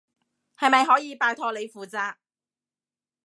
係咪可以拜託你負責？